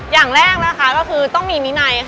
อย่างแรกก็คือต้องมีมินัย